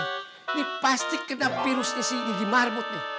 ini pasti kena virusnya si didi marmut nih